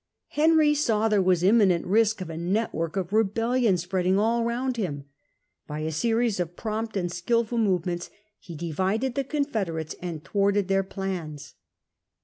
Henry saw there was imminent risk of a network of rebellion spreading all round him. By a series of prompt and skilful move ments he divided the confederates and thwarted their FopeDama plans.